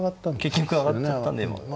結局上がっちゃったんで。